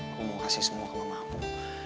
aku mau kasih semua ke mama aku